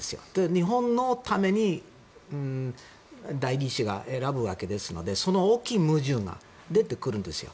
日本のために代議士が選ぶわけですのでその大きい矛盾が出てくるんですよ。